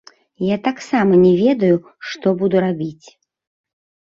Я таксама не ведаю, што буду рабіць.